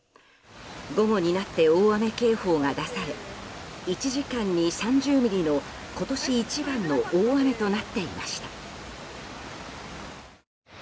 午後になって大雨警報が出され１時間に３０ミリの今年一番の大雨となっていました。